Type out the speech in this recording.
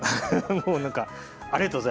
もうなんかありがとうございます。